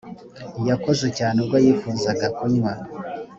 yakoze cyane ubwo yifuzaga kunywa